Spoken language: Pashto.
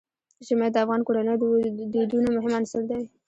ژمی د افغان کورنیو د دودونو مهم عنصر دی.